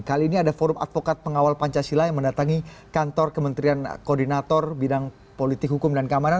kali ini ada forum advokat pengawal pancasila yang mendatangi kantor kementerian koordinator bidang politik hukum dan keamanan